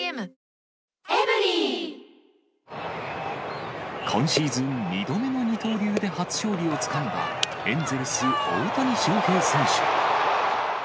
「ほんだし」で今シーズン、２度目の二刀流で初勝利をつかんだエンゼルス、大谷翔平選手。